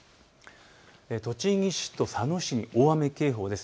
栃木市と佐野市に大雨警報です。